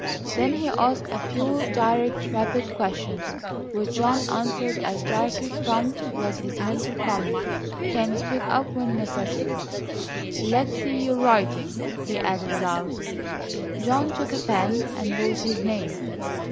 Then he asked a few direct, rapid questions, which John answered as directly. "Prompt," was his mental comment; "can speak up when necessary." "Let's see your writing," he added aloud. John took a pen and wrote his name.